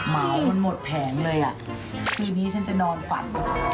หมามันหมดแผงเลยอ่ะคืนนี้ฉันจะนอนฝัน